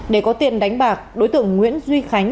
để có tiền đánh bạc đối tượng nguyễn duy khánh